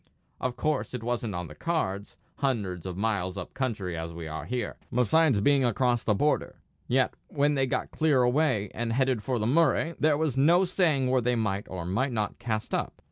Of course it wasn't on the cards, hundreds of miles up country as we are here, besides being across the border; yet when they got clear away, and headed for the Murray, there was no saying where they might or might not cast up.